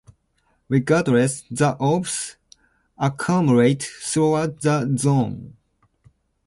Regardless, the orbs accumulate throughout the zone.